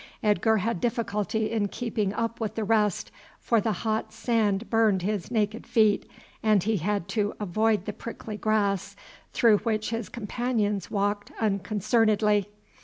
Edgar had difficulty in keeping up with the rest, for the hot sand burned his naked feet, and he had to avoid the prickly grass through which his companions walked unconcernedly.